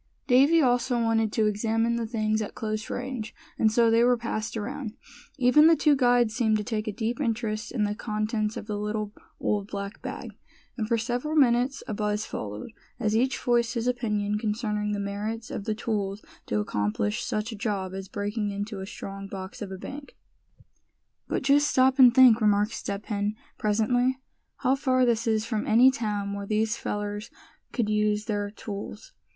Davy also wanted to examine the things at close range, and so they were passed around. Even the two guides seemed to take a deep interest in the contents of the little old black bag; and for several minutes a buzz followed, as each voiced his opinion concerning the merits of the tools to accomplish such a job as breaking into a strong box of a bank. "But just stop and think," remarked Step Hen, presently, "how far this is from any town where these fellers could use their tools.